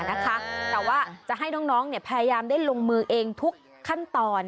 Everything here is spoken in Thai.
แต่ว่าจะให้น้องพยายามได้ลงมือเองทุกขั้นตอน